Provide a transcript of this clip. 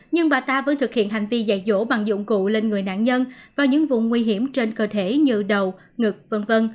nhưng bà ta vẫn thực hiện hành vi dạy dỗ bằng dụng cụ lên người nạn nhân vào những vùng nguy hiểm trên cơ thể như đầu ngực v v